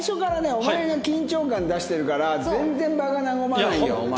お前が緊張感出してるから全然場が和まないよお前。